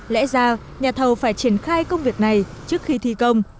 lẽ ra nhà thầu phải triển khai công việc này trước khi thi công